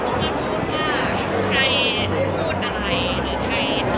ก็คนไทยรู้จักอ่ะ